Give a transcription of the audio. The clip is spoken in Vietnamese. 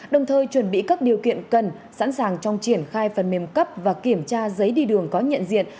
đồng thời chuẩn bị các điều kiện cần sẵn sàng trong triển khai phần mềm cấp và kiểm tra giấy đi đường có nhận diện